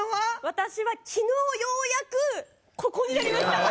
私は昨日ようやくここになりました。